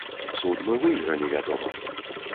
Суд мы выйгралі, вядома.